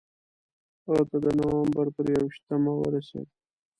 هغه ته د نومبر پر یوویشتمه ورسېد.